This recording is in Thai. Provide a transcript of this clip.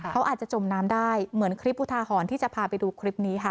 เขาอาจจะจมน้ำได้เหมือนคลิปอุทาหรณ์ที่จะพาไปดูคลิปนี้ค่ะ